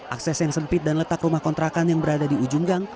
akses yang sempit dan letak rumah kontrakan yang berada di ujung gang